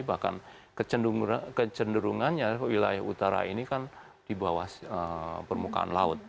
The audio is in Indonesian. bahkan kecenderungannya wilayah utara ini kan di bawah permukaan laut